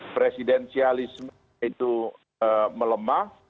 presidensialisme itu melemah